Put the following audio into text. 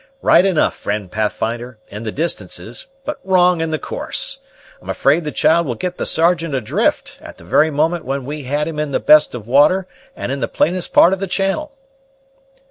"Right enough, friend Pathfinder, in the distances, but wrong in the course. I'm afraid the child will get the Sergeant adrift, at the very moment when we had him in the best of the water and in the plainest part of the channel."